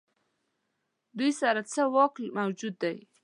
دوی سره څه واک موجود دی.